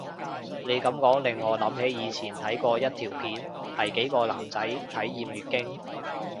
你噉講令我諗起以前睇過一條片係幾個男仔體驗月經